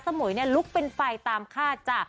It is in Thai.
มุยลุกเป็นไฟตามคาดจ้ะ